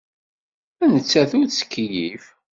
Nettat ur tettkeyyif.